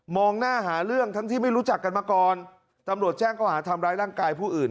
หน้าหาเรื่องทั้งที่ไม่รู้จักกันมาก่อนตำรวจแจ้งเขาหาทำร้ายร่างกายผู้อื่น